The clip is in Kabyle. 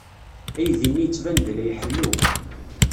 Aydi-nni yettban-d la iḥellu.